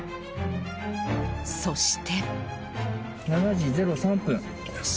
そして。